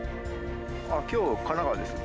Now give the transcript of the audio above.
きょう、神奈川です。